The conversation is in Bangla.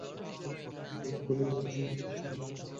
পেস বোলিং কোচ হিথ স্ট্রিকের ব্যাপারেও একই নীতি অনুসরণ করেছিল বিসিবি।